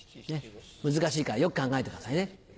難しいからよく考えてくださいね。